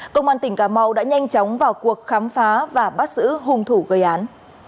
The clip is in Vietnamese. công an tỉnh cà mau đã nhanh chóng vào cuộc khám phá và bắt giữ hung thủ gây án